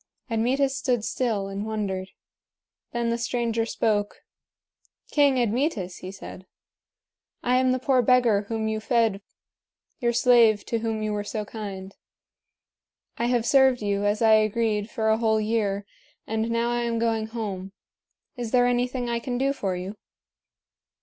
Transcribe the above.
Admetus stood still and wondered. Then the stranger spoke: "King Admetus," he said, "I am the poor beggar whom you fed your slave to whom you were so kind. I have served you, as I agreed, for a whole year, and now I am going home. Is there anything I can do for you?"